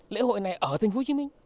lễ hội này ở tp hcm